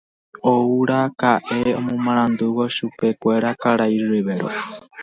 Ouraka'e omomarandúvo chupekuéra karai Riveros.